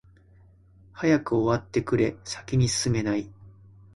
早く終わってくれ、先に進めない。